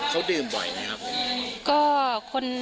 เขาดื่มบ่อยไหมครับผม